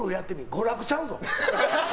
娯楽ちゃうぞ。